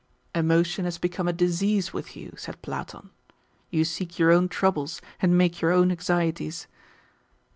"Emotion has become a disease with you," said Platon. "You seek your own troubles, and make your own anxieties."